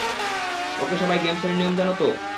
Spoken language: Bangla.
ওকে, সবাই গেমস এর নিয়ম জানো তো?